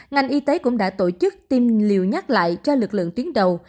ngành y tế cũng đã tổ chức tiêm liều nhắc lại cho lực lượng tuyến đầu